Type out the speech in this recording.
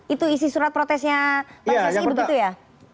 itu isi surat protesnya pak sesi begitu ya